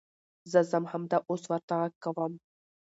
زه ځم همدا اوس ورته غږ کوم .